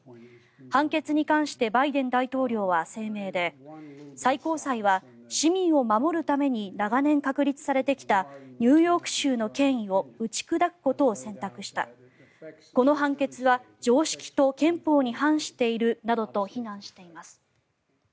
判決に関してバイデン大統領は声明で最高裁は、市民を守るために長年確立されてきたニューヨーク州の権威を打ち砕くことを選択したこの判決は常識と憲法に反しているなどと非難しています。